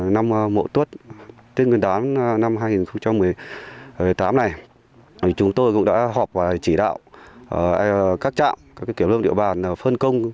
năm mậu tuất tết nguyên đán năm hai nghìn một mươi tám này chúng tôi cũng đã họp và chỉ đạo các trạm các kiểm lâm địa bàn phân công